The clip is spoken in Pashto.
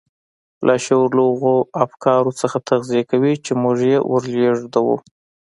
لاشعور له هغو افکارو ځان تغذيه کوي چې موږ يې ور لېږدوو.